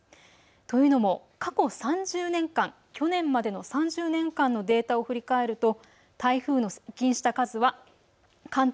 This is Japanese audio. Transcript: というのも過去３０年間去年までの３０年間のデータを振り返ると台風の接近した数は関東